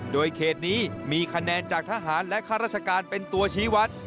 โดยเขตนี้มีคะแนนจากทหารและข้าราชการเป็นตัวชี้วัด